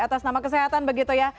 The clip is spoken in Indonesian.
atas nama kesehatan begitu ya